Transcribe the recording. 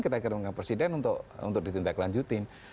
kita kirim ke presiden untuk ditindaklanjutin